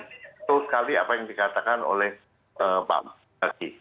itu sekali apa yang dikatakan oleh pak melki